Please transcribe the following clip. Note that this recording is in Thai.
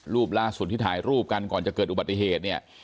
รูปล่าสุดที่ถ่ายรูปกันก่อนจะเกิดอุบัติเหตุเนี่ย